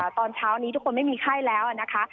ตอนเช้านี้ทุกคนไม่มีไข้แล้วนะคะ